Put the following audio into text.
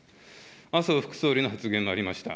麻生副総理の発言がありました。